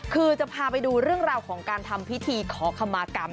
คือจะพาไปดูเรื่องราวของการทำพิธีขอคำมากรรม